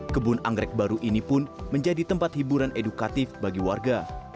kebun anggrek baru ini pun menjadi tempat hiburan edukatif bagi warga